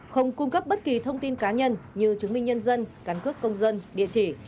không cung cấp bất kỳ thông tin cá nhân như chứng minh nhân dân cán cước công dân địa chỉ